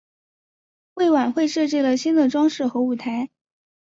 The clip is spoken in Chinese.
为晚会设计了新的装饰和舞台。